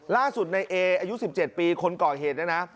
ล่าสุดในเออายุ๑๗ปีคนก่อเหตุเนี่ยนะ